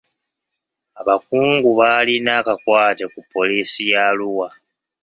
Abakungu baalina akakwate ku poliisi ya Arua.